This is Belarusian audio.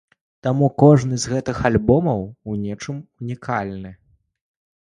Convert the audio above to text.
Таму кожны з гэтых альбомаў у нечым ўнікальны.